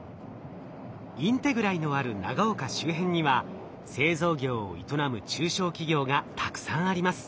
ＩｎｔｅｇｒＡＩのある長岡周辺には製造業を営む中小企業がたくさんあります。